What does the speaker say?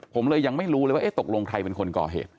ผมเลยยังไม่รู้เลยว่าตกลงใครเป็นคนก่อเหตุ